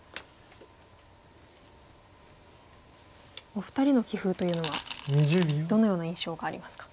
お二人の棋風というのはどのような印象がありますか？